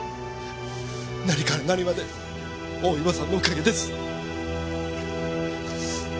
何から何まで大岩さんのおかげです！